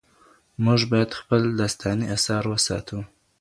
موږ باید خپل داستاني اثار وساتو.